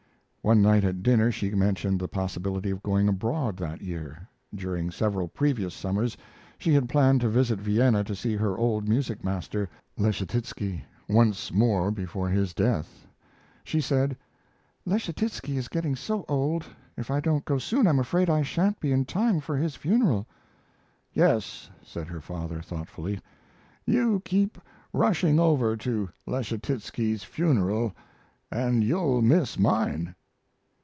One night at dinner she mentioned the possibility of going abroad that year. During several previous summers she had planned to visit Vienna to see her old music master, Leschetizky, once more before his death. She said: "Leschetizky is getting so old. If I don't go soon I'm afraid I sha'n't be in time for his funeral." "Yes," said her father, thoughtfully, "you keep rushing over to Leschetizky's funeral, and you'll miss mine."